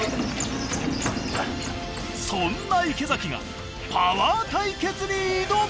そんな池崎がパワー対決に挑む！